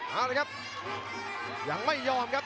หัวจิตหัวใจแก่เกินร้อยครับ